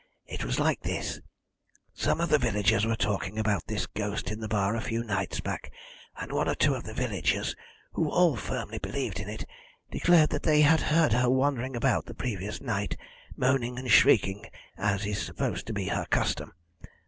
It was like this: some of the villagers were talking about this ghost in the bar a few nights back, and one or two of the villagers, who all firmly believed in it, declared that they had heard her wandering about the previous night, moaning and shrieking, as is supposed to be her custom.